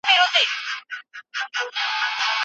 ښه خبرې جګړې ختموي.